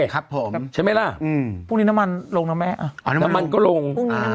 ครับผมใช่ไหมล่ะพรุ่งนี้น้ำมันลงนะแม่น้ำมันก็ลง